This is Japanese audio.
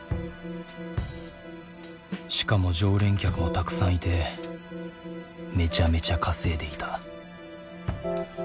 しかも常連客もたくさんいてめちゃめちゃ稼いでいた。